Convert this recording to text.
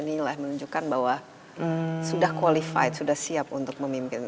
inilah menunjukkan bahwa sudah qualified sudah siap untuk memimpin